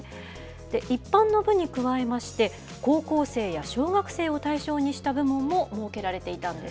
一般の部に加えまして、高校生や小学生を対象にした部門も設けられていたんです。